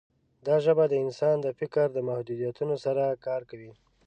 دا ژبه د انسان د فکر د محدودیتونو سره کار کوي.